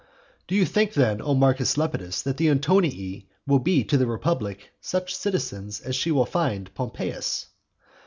V. Do you think, then, O Marcus Lepidus, that the Antonii will be to the republic such citizens as she will find Pompeius?